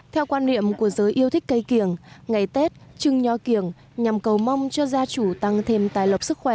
theo quan niệm của giới yêu thích cây kiểng ngày tết trưng nho kiểng nhằm cầu mong cho gia chủ tăng thêm tài lọc sức khỏe